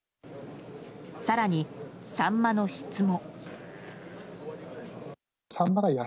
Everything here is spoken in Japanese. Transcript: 更に、サンマの質も。